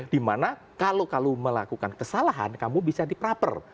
dimana kalau melakukan kesalahan kamu bisa di pra per